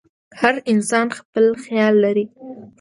هر انسان خپل خیال لري.